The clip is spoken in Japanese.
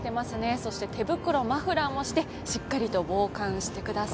そして手袋、マフラーもしてしっかりと防寒してください。